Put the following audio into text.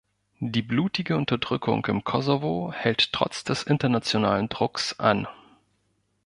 Die blutige Unterdrückung im Kosovo hält trotz des internationalen Drucks an.